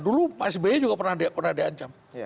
dulu psb juga pernah dihancam